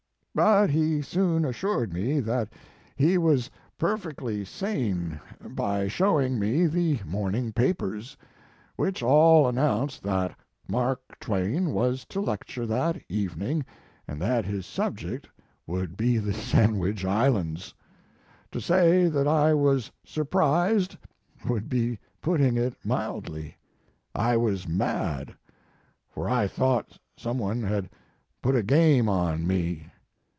But he soon assured me that he was perfectly sane by 7 2 Mark Twain showing me the morning papers, which all announced that Mark Twain was to lecture that evening and that his subject would be The Sandwich Islands. To say that I was surprised would be putting it mildly. I was mad, for I thought some one had put up a game on me.